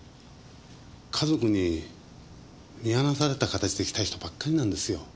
家族に見放された形で来た人ばっかりなんですよ。